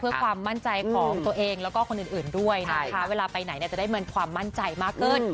เพื่อความมั่นใจของตัวเองแล้วก็คนอื่นด้วยนะคะเวลาไปไหนจะได้เหมือนความมั่นใจมากขึ้น